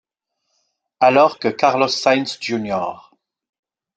Alors que Carlos Sainz Jr.